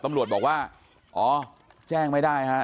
ตำรวจบอกว่าอ๋อแจ้งไม่ได้ฮะ